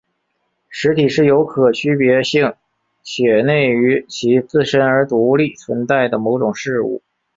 实体是有可区别性且内于其自身而独立存在的某种事物。